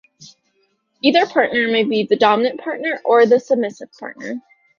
Either partner may be the dominant partner or the submissive partner.